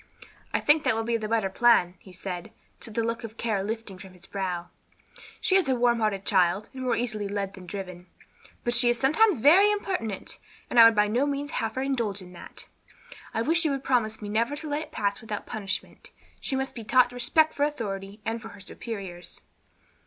"I think that will be the better plan," he said, the look of care lifting from his brow; "she is a warm hearted child, and more easily led than driven. But she is sometimes very impertinent, and I would by no means have her indulged in that. I wish you would promise me never to let it pass without punishment. She must be taught respect for authority and for her superiors."